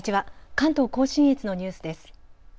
関東甲信越のニュースです。